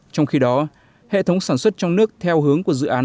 trong khi đó hệ thống sản xuất trong nước theo hướng của dự án